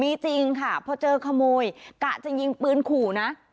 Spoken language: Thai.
มีจริงค่ะพอเจอขโมยกะจะยิงปืนขู่นะ